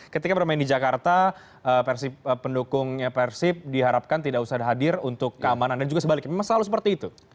ketika bermain di jakarta pendukung persib diharapkan tidak usah hadir untuk keamanan dan juga sebaliknya memang selalu seperti itu